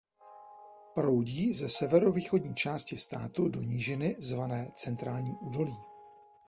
Proudí ze severovýchodní části státu do nížiny zvané Centrální údolí.